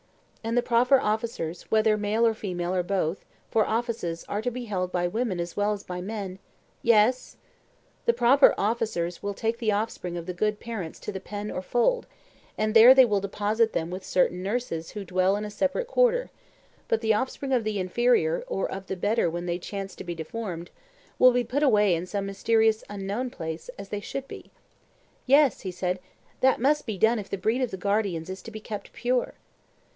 And the proper officers, whether male or female or both, for offices are to be held by women as well as by men— Yes— The proper officers will take the offspring of the good parents to the pen or fold, and there they will deposit them with certain nurses who dwell in a separate quarter; but the offspring of the inferior, or of the better when they chance to be deformed, will be put away in some mysterious, unknown place, as they should be. Yes, he said, that must be done if the breed of the guardians is to be kept pure.